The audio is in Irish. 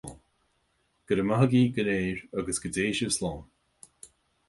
Go raibh míle maith agaibh go léir, agus go dté sibh slán